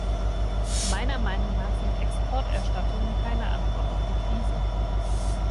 Meiner Meinung nach sind Exporterstattungen keine Antwort auf die Krise.